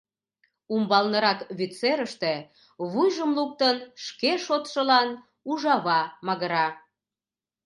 Умбалнырак, вӱд серыште, вуйжым луктын, шке шотшылан ужава магыра...